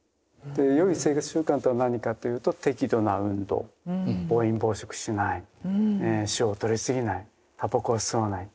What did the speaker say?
で良い生活習慣とは何かというと適度な運動暴飲暴食しない塩をとり過ぎないたばこは吸わない。